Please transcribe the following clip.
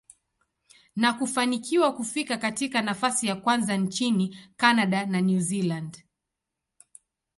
na kufanikiwa kufika katika nafasi ya kwanza nchini Canada na New Zealand.